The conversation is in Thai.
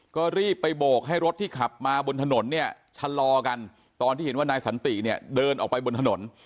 ก็รีบไปโบกให้รถที่ขับมาบนถนนเนี่ยชะลอกันตอนที่เห็นว่านายสันติเนี่ยเดินออกไปบนถนน